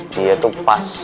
dia tuh pas